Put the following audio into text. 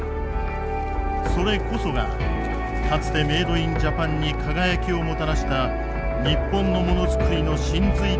それこそがかつてメードインジャパンに輝きをもたらした日本のものづくりの神髄だったことを思い出した。